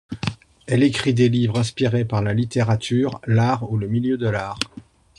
Elle écrit des livres inspirés par la littérature, l’art ou le milieu de l'art.